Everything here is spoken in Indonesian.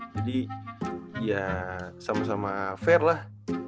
jadi ya sama sama fair lah